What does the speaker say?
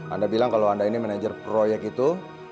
anda bilang kalau anda ini manajer proyek itu